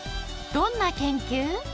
どんな研究？